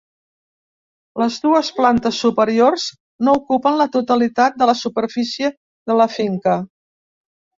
Les dues plantes superiors no ocupen la totalitat de la superfície de la finca.